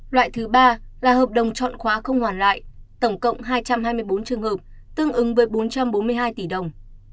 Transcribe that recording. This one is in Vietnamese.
loại thứ ba là hợp đồng chọn khóa không hoàn lại tổng cộng hai trăm hai mươi bốn trường hợp tương ứng với bốn trăm bốn mươi hai tỷ đồng